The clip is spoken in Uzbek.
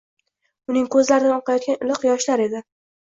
Uning ko‘zlaridan oqayotgan iliq yoshlaredi